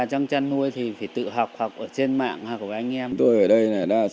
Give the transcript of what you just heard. trong chăn nuôi